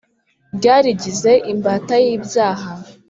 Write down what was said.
Ryarigize imbata y’ibyaha